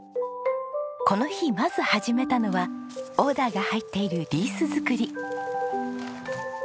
この日まず始めたのはオーダーが入っているリース作り。